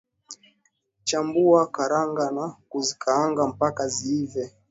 Chambua karanga na kuzikaanga mpaka ziive